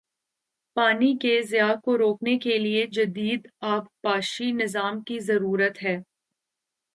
پانی کے ضیاع کو روکنے کے لیے جدید آبپاشی نظام کی ضرورت ہے